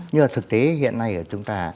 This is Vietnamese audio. nhưng mà thực tế hiện nay ở chúng ta